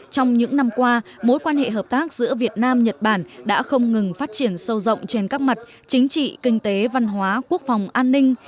trong những năm qua mối quan hệ hợp tác giữa việt nam nhật bản đã không ngừng phát triển sâu rộng trên các mặt chính trị kinh tế văn hóa quốc phòng an ninh